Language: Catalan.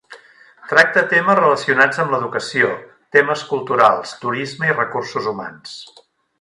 Tracta temes relacionats amb l'educació, temes culturals, turisme i recursos humans.